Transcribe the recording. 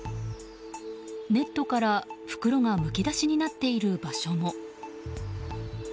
ネットから袋がむき出しになっている場所も。